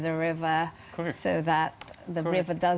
sehingga sungai menjadi